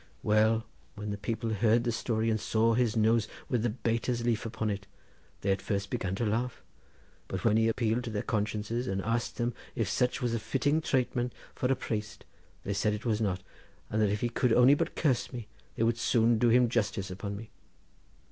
Well, when the people heard the story, and saw his nose with the bater's leaf upon it, they at first began to laugh, but when he appealed to their consciences, and asked them if such was fitting tratement for a praist, they said it was not, and that if he would only but curse me, they would soon do him justice upon me.